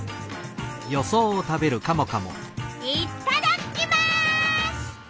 いっただっきます！